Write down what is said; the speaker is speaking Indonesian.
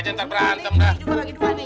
siapa untuk hai